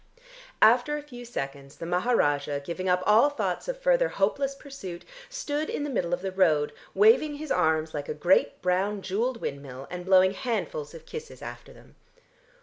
After a few seconds the Maharajah giving up all thought of further hopeless pursuit stood in the middle of the road waving his arms like a great brown jewelled windmill, and blowing handfuls of kisses after them.